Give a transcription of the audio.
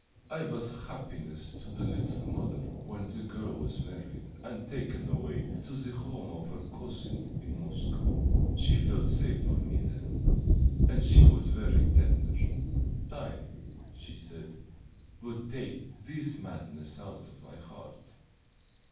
It was a happiness to the little mother when the girl was married and taken away to the home of her cousin in Moscow. She felt safe for me then, and she was very tender. Time, she said, would take this madness out of my heart."